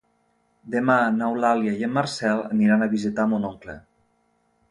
Demà n'Eulàlia i en Marcel aniran a visitar mon oncle.